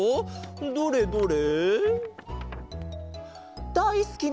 どれどれ？